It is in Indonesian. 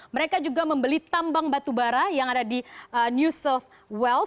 mereka juga membeli tambang batubara yang ada di new south well